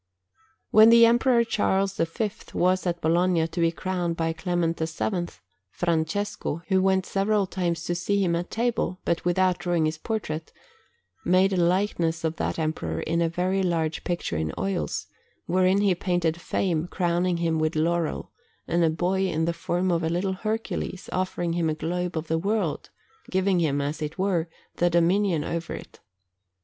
When the Emperor Charles V was at Bologna to be crowned by Clement VII, Francesco, who went several times to see him at table, but without drawing his portrait, made a likeness of that Emperor in a very large picture in oils, wherein he painted Fame crowning him with laurel, and a boy in the form of a little Hercules offering him a globe of the world, giving him, as it were, the dominion over it.